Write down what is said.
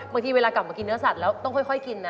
เวลากลับมากินเนื้อสัตว์แล้วต้องค่อยกินนะ